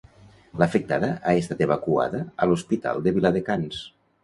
L'afectada ha estat evacuada a l'Hospital de Viladecans.